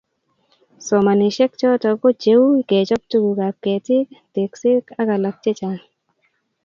Somanosiek choto ko cheu kechob tugukab ketik, tekset ak alak chechang